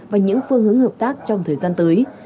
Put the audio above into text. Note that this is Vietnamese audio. và những phương hướng hợp tác trong thời gian tới